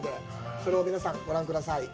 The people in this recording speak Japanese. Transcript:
それを皆さん、ご覧ください。